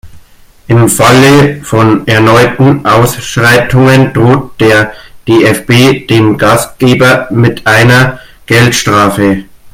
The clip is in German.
Im Falle von erneuten Ausschreitungen droht der DFB dem Gastgeber mit einer Geldstrafe.